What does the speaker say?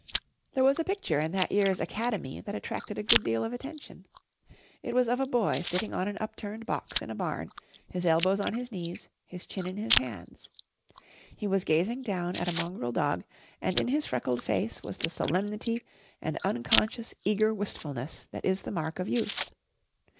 There was a picture in that year's Academy that attracted a good deal of attention. It was of a boy sitting on an upturned box in a barn, his elbows on his knees, his chin in his hands. He was gazing down at a mongrel dog and in his freckled face was the solemnity and unconscious, eager wistfulness that is the mark of youth.